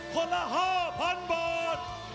คนละ๕๐๐๐บาท